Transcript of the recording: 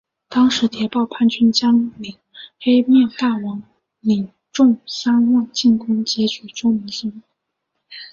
当时谍报叛军将领黑面大王领众三万进攻截取周明松。